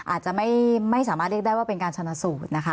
อาจจะไม่สามารถเรียกได้ว่าเป็นการชนะสูตรนะคะ